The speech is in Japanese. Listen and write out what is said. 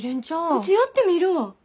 うちやってみるわ。